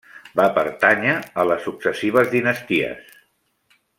Va pertànyer a les successives dinasties.